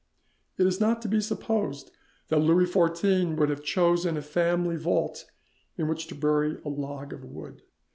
It is not to be supposed that Louis XIV would have chosen a family vault in which to bury a log of wood.